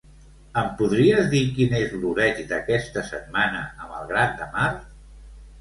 Em podries dir quin és l'oreig d'aquesta setmana a Malgrat de Mar?